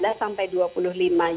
dan itu adalah